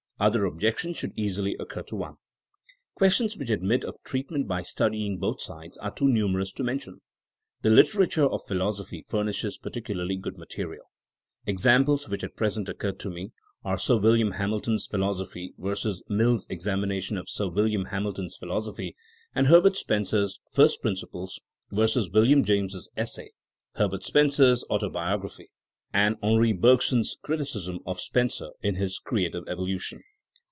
Other objec tions should easily occur to one. Questions which admit of treatment by study ing both sides are too numerous to mention. The literature of philosophy furnishes particu larly good material. Examples which at pres ent occur to me are Sir William Hamilton's philosophy versus MiU's Examination of Sir William Hamilton's Philosophy, and Herbert Spencer's First Principles versus WiUiam James' essay, Herbert Spencer's Autobiog raphy and Henri Bergson's criticism of Spencer in his Creative Evolution.